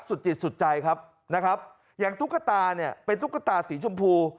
สุดจิตสุดใจครับนะครับอย่างตุ๊กตาเนี่ยเป็นตุ๊กตาสีชมพู